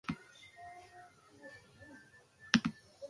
Hankak arrastatuz abiatu naiz korridorean barna sukaldetako hotsetara.